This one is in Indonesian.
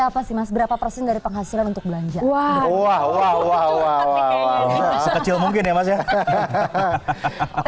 apa sih mas berapa persen dari penghasilan untuk belanja wah sekecil mungkin ya mas ya